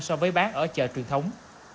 so với bán ở chợ truyền thống